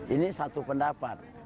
ini satu pendapat